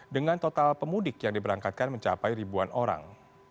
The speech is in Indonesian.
dengan total pemudik yang diberangkatkan mencapai ribuan orang